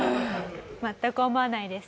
全く思わないです。